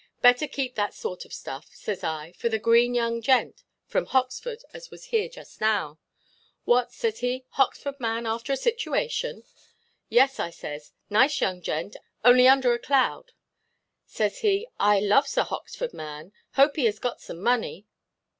Better keep that sort of stuff,' says I, 'for the green young gent from Hoxford as was here just now.' 'What,' says he, 'Hoxford man after a situation?' ' Yes,' I says, 'nice young gent, only under a cloud.' Says he, 'I loves a Hoxford man; hope he has got some money.